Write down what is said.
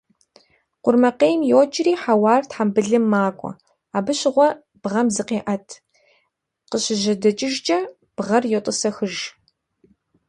Къурмакъейм йокӀри хьэуар тхъэмбылым макӀуэ, абы щыгъуэ бгъэм зыкъеӀэт, къыщыжьэдэкӀыжкӀэ бгъэри йотӀысэхыж.